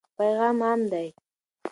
پیغام عام دی.